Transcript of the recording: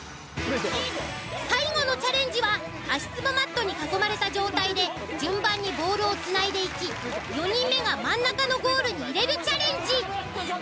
最後のチャレンジは足つぼマットに囲まれた状態で順番にボールをつないでいき４人目が真ん中のゴールに入れるチャレンジ。